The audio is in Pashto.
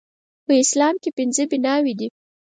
په اسلام کې پنځه بناوې دي